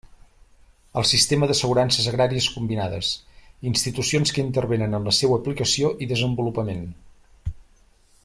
El sistema d'assegurances agràries combinades: institucions que intervenen en la seua aplicació i desenvolupament.